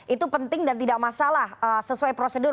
itu penting dan tidak masalah sesuai prosedur